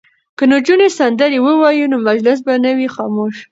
که نجونې سندرې ووايي نو مجلس به نه وي خاموش.